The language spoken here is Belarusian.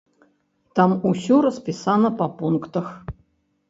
Там усё распісана па пунктах.